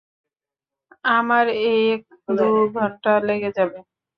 আমার এক দুই ঘন্টা লেগে যাবে।